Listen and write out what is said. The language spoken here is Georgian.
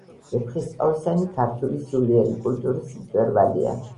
ვეფხისტყაოსანი ქართული სულიერი კულტურის მწვერვალია